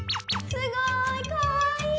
すごいかわいい！